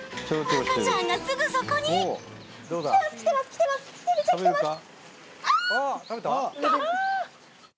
赤ちゃんがすぐそこにベビーちゃん来てます！